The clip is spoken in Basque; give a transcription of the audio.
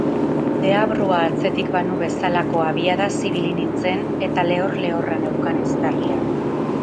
Deabrua atzetik banu bezalako abiadaz ibili nintzen eta lehor-lehorra neukan eztarria.